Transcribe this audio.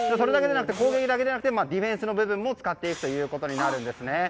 攻撃だけじゃなくてディフェンスの部分も使っていくということになるんです。